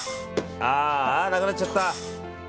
あーあ、なくなっちゃった。